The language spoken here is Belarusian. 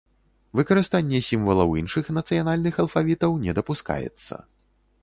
Выкарыстанне сімвалаў іншых нацыянальных алфавітаў не дапускаецца.